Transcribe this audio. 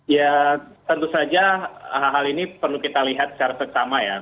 ya tentu saja hal hal ini perlu kita lihat secara seksama ya